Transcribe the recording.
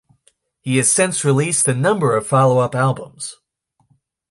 He has since released a number of follow-up albums.